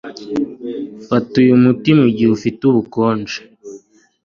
Fata uyu muti mugihe ufite ubukonje.